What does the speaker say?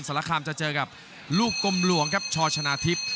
สารคามจะเจอกับลูกกลมหลวงครับชชนะทิพย์